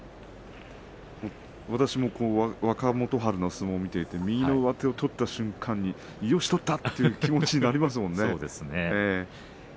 私も若元春の相撲を見ていて右の上手を取った瞬間によし、取った！という気持ちになりますものね。